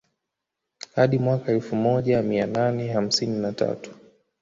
Hadi mwaka wa elfu moja mia nane hamsini na tatu